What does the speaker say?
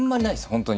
本当に。